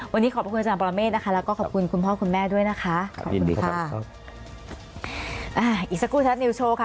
วันนี้ขอบคุณอาจารย์ปรเมฆและก็ขอบคุณคุณพ่อคุณแม่ด้วยนะคะขอบคุณครับอีซะกูพระสนุชโชว์ค่ะ